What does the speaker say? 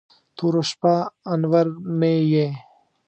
توره شپه، انور مې یې